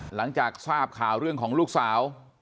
หลังจากทราบข่าวเรื่องของลูกสาว